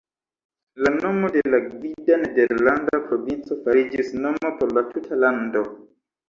La nomo de la gvida nederlanda provinco fariĝis nomo por la tuta lando.